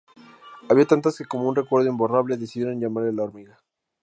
Había tantas que como un recuerdo imborrable decidieron llamarle La Hormiga.